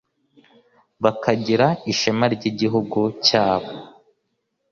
bakagira ishema ry Igihugu cyabo